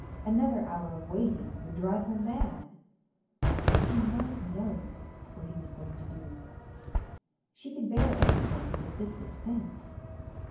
Another hour of waiting would drive her mad. She must know what he was going to do. She could bear anything but this suspense.